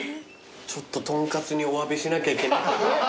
ちょっと豚カツにおわびしなきゃいけない。